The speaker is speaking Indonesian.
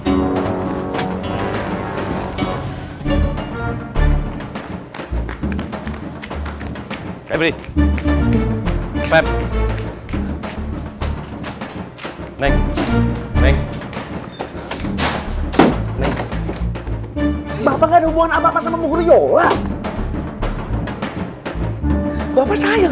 eh kenapa dia tuh